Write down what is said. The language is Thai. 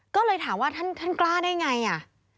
ก็เลยถามว่าท่านกล้าได้ไงอ่ะ